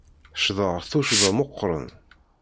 Ccḍeɣ tuccḍa meqqren.